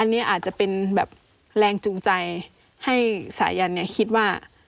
อันนี้อาจจะเป็นแบบแรงจูงใจให้สายันเนี่ยคิดว่า